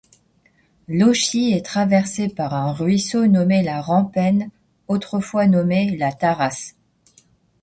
Lochy est traversé par un ruisseau nommé La Rampenne, autrefois nommé la Tarace.